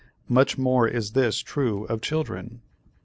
Much more is this true of children.